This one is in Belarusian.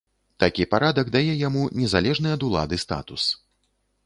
Такі парадак дае яму незалежны ад улады статус.